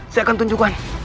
saya akan tunjukkan